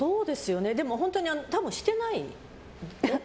でも、本当に多分してない。